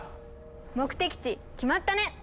目的地決まったね！